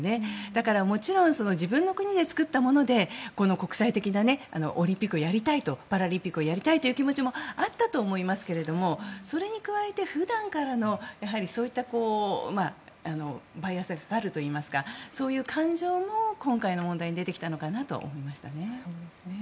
だからもちろん自分の国で作ったもので国際的なオリンピックをやりたいパラリンピックをやりたいという気持ちもあったと思いますがそれに加えて普段からのそういったバイアスがかかるといいますかそういう感情も今回の問題に出てきたのかなと思いましたね。